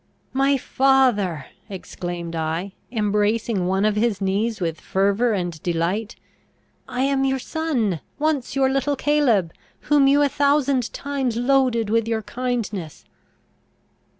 "My father!" exclaimed I, embracing one of his knees with fervour and delight, "I am your son; once your little Caleb, whom you a thousand times loaded with your kindness!"